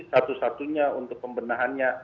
satu satunya untuk pembenahannya